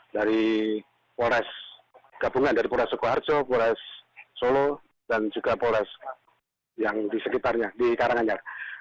dari polres gabungan dari polres sukoharjo polres solo dan juga polres yang di sekitarnya di karanganyar